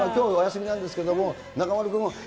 きょうお休みなんですけど。